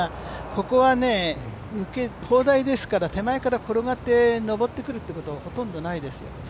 ここは、砲台ですから手前から転がって上ってくるということはほとんどないです。